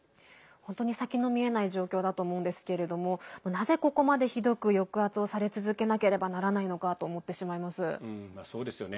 本当に先の見えない状況だと思うんですけれどもなぜ、ここまでひどく抑圧をされ続けなければならないのかとそうですよね。